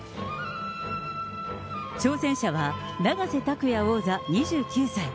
挑戦者は永瀬拓矢王座２９歳。